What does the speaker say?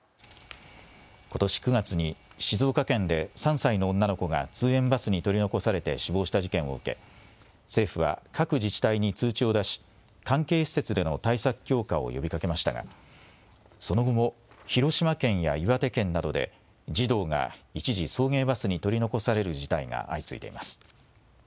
ことし９月に静岡県で３歳の女の子が通園バスに取り残されて死亡した事件を受け政府は各自治体に通知を出し関係施設での対策強化を呼びかけましたがその後も広島県や岩手県などで児童が一時送迎バスに取り残される事態が相次いでいます。